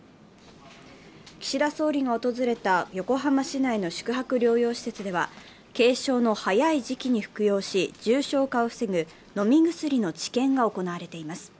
岸田総理が訪れた横浜市内の宿泊療養施設では、軽症の早い時期に服用し、重症化を防ぐ飲み薬の治験が行われています。